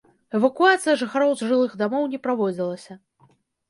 Эвакуацыя жыхароў з жылых дамоў не праводзілася.